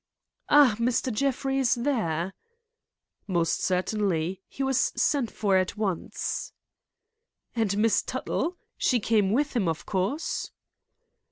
"Ah, Mr. Jeffrey is there!" "Most certainly; he was sent for at once." "And Miss Tuttle? She came with him of course?"